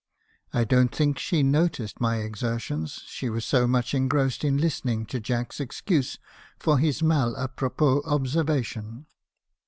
I don't think she noticed my exertions, she was so much engrossed in listening to Jack's excuses for his mal a pro pos observation.